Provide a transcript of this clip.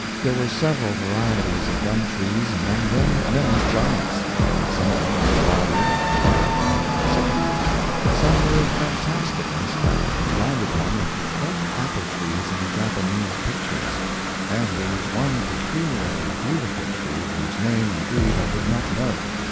There were several varieties of gum trees; among them many giants. Some of them were bodied and barked like the sycamore; some were of fantastic aspect, and reminded one of the quaint apple trees in Japanese pictures. And there was one peculiarly beautiful tree whose name and breed I did not know.